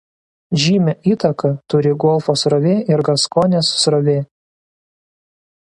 Žymią įtaką turi Golfo srovė ir Gaskonės srovė.